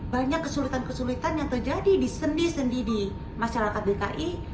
banyak kesulitan kesulitan yang terjadi di sendi sendi di masyarakat dki